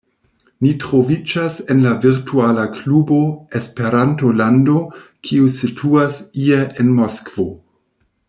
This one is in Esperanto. Ni troviĝas en la virtuala klubo “Esperanto-lando, kiu situas ie en Moskvo.